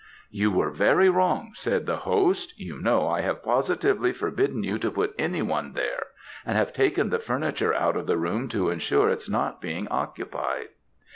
"'You were very wrong,' said the host, 'you know I have positively forbidden you to put any one there, and have taken the furniture out of the room to ensure its not being occupied.'